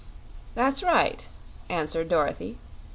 "That's right," answered Dorothy.